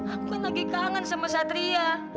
aku lagi kangen sama satria